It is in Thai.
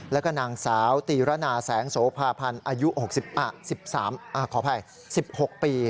แล้วก็นางสาวตีระนาแสงโสภาพันธ์อายุขออภัย๑๖ปี